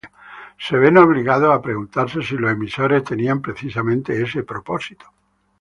Se ven obligados a preguntarse si los emisores tenían precisamente ese propósito.